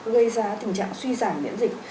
gây ra tình trạng suy giảm miễn dịch